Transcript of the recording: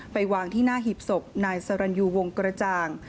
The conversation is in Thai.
ไปวางที่หน้าหีบศพนายสรรยูวงกระจ่าง